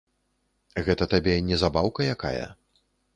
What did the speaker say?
Гэта табе не забаўка якая.